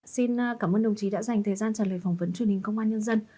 xin cảm ơn đồng chí đã dành thời gian trả lời phỏng vấn truyền hình công an nhân dân